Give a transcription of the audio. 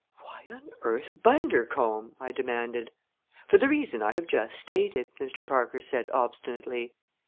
"Why on earth Bundercombe?" I demanded. "For the reason I have just stated," Mr. Parker said obstinately.